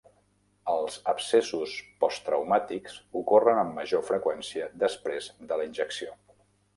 Els abscessos posttraumàtics ocorren amb major freqüència després de la injecció.